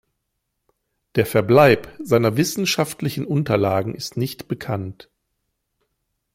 Der Verbleib seiner wissenschaftlichen Unterlagen ist nicht bekannt.